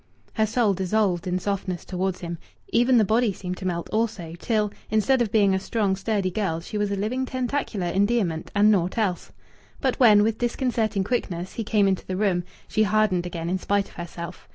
Her soul dissolved in softness towards him; even the body seemed to melt also, till, instead of being a strong, sturdy girl, she was a living tentacular endearment and naught else. But when, with disconcerting quickness, he came into the room, she hardened again in spite of herself.